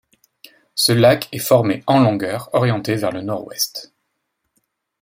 Ce lac est formé en longueur, orienté vers le Nord-Ouest.